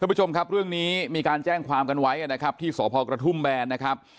คุณผู้ชมครับเรื่องนี้มีการแจ้งความกันไว้ที่สพกระทุ่มแบรนด์